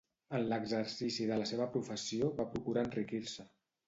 En l'exercici de la seva professió va procurar enriquir-se.